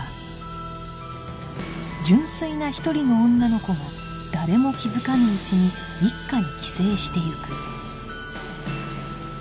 純粋な一人の女の子が誰も気づかぬうちに一家に寄生していく